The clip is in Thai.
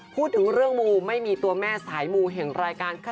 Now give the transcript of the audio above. พูดถึงเรื่องมูไม่มีตัวแม่สายมูแห่งรายการค่ะ